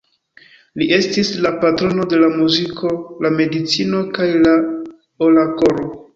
Li estis la patrono de la muziko, la medicino, kaj la orakolo.